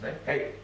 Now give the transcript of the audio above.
はい。